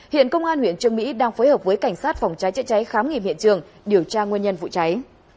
hiện công an huyện trương mỹ đang phối hợp với cảnh sát phòng cháy chữa cháy khám nghiệm hiện trường điều tra nguyên nhân vụ cháy